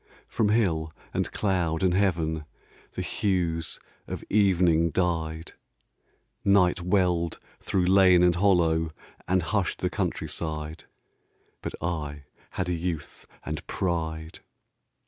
From hill and cloud and heaven The hues of evening died; Night welled through lane and hollow And hushed the countryside, But I had youth and pride.